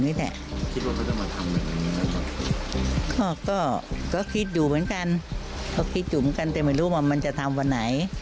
อ๋อไม่รู้คิดอยู่เหมือนกัน